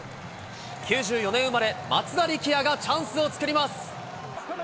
９４年生まれ、松田力也がチャンスを作ります。